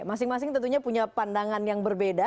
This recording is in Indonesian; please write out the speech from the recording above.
masing masing tentunya punya pandangan yang berbeda